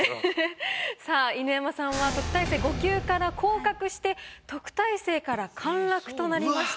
さあ犬山さんは特待生５級から降格して特待生から陥落となりました。